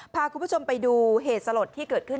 พาคุณผู้ชมไปดูเหตุสลดที่เกิดขึ้น